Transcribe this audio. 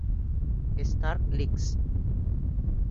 Star Licks.